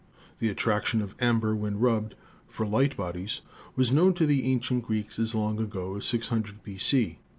The attraction of amber when rubbed for light bodies was known to the ancient Greeks as long ago as 600 B.C.